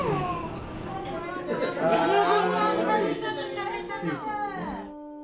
食べたの？